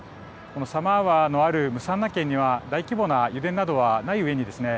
サマーワのあるムサンナ県には大規模な油田などはないうえにですね